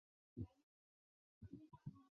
近亲长臂蟹为玉蟹科长臂蟹属的动物。